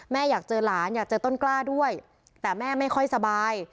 อยากเจอหลานอยากเจอต้นกล้าด้วยแต่แม่ไม่ค่อยสบาย